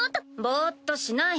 ぼうっとしない。